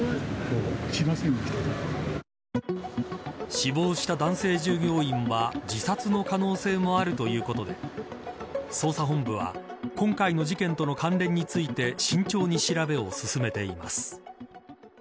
死亡した男性従業員は自殺の可能性もあるということで捜査本部は今回の事件との関連について慎重に調べを進めています。